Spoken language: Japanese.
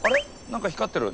何か光ってる。